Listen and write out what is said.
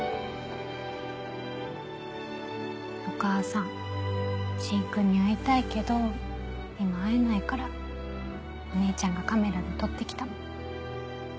お母さん芯君に会いたいけど今会えないからお姉ちゃんがカメラで撮ってきたの。